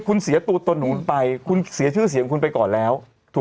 คุณเสียตัวหนูไปคุณเสียชื่อเสียงคุณไปก่อนแล้วถูก